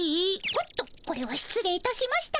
おっとこれはしつ礼いたしました。